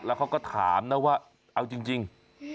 แล้วเขาก็ถามนะว่าเอาจริง